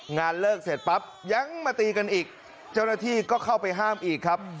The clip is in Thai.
งานเลิกเสร็จปั๊บยังมาตีกันอีกเจ้าหน้าที่ก็เข้าไปห้ามอีกครับ